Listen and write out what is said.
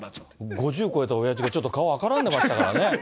５０を超えたおやじがちょっと顔、赤らんでましたからね。